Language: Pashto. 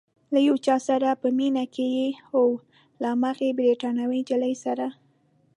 له یو چا سره په مینه کې یې؟ هو، له هماغې بریتانوۍ نجلۍ سره؟